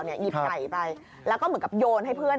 หยิบไก่ไปแล้วก็เหมือนกับโยนให้เพื่อน